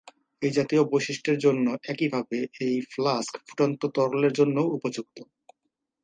এই জাতীয় বৈশিষ্ট্যের জন্য একইভাবে এই ফ্লাস্ক ফুটন্ত তরলের জন্যও উপযুক্ত।